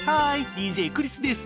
ＤＪクリスです。